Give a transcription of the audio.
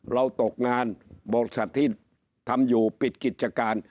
ตกงานบริษัทที่ทำอยู่ปิดกิจการ